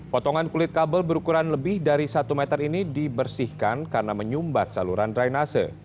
potongan kulit kabel berukuran lebih dari satu meter ini dibersihkan karena menyumbat saluran drainase